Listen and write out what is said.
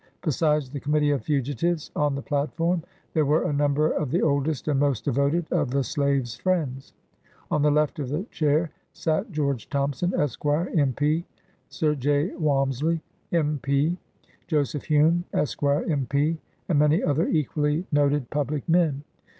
Besides the committee of fugitives, on the platform there were a number of the oldest and most devoted of the slave's friends. On the left of the Chair sat George Thompson, Esq., M. P., Sir J. "\Yalmsley, M. P., Joseph Hume, Esq., M. P.. and many other equally noted public men.